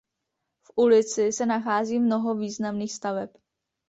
V ulici se nachází mnoho významných staveb.